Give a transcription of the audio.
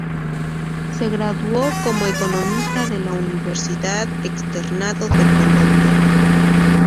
Se graduó como economista de la Universidad Externado de Colombia.